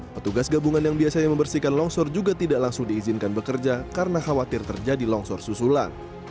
petugas gabungan yang biasanya membersihkan longsor juga tidak langsung diizinkan bekerja karena khawatir terjadi longsor susulan